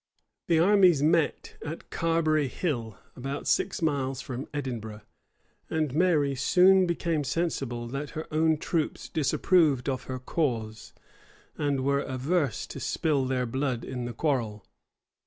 The armies met at Carberry Hill, about six miles from Edinburgh; and Mary soon became sensible that her own troops disapproved of her cause, and were averse to spill their blood in the quarrel.